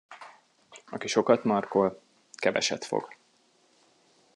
Aki sokat markol, keveset fog.